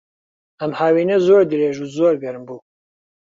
ئەم هاوینە زۆر درێژ و زۆر گەرم بوو.